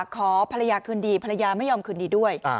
ขอภรรยาคืนดีภรรยาไม่ยอมคืนดีด้วย